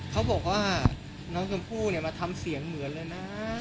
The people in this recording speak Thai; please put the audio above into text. เขาบอกว่าน้องชมพู่มาทำเสียงเหมือนเลยนะ